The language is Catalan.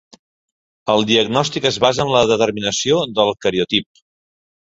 El diagnòstic es basa en la determinació del cariotip.